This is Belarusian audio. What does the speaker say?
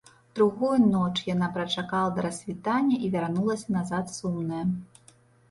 Другую ноч яна прачакала да рассвітання і вярнулася назад сумная.